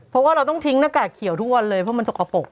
เพราะว่าเราต้องทิ้งหน้ากากเขียวทุกวันเลยเพราะมันสกปรก